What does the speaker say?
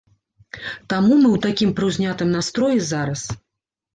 Таму мы ў такім прыўзнятым настроі зараз.